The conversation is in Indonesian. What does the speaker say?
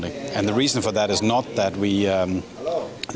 sekarang kita memiliki ekosistem penuh di mana semua orang dapat bergabung